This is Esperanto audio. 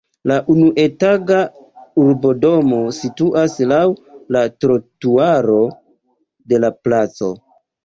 La unuetaĝa urbodomo situas laŭ la trotuaro de la placo.